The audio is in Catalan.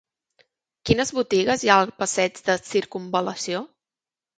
Quines botigues hi ha al passeig de Circumval·lació?